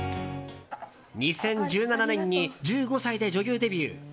２０１７年に１５歳で女優デビュー。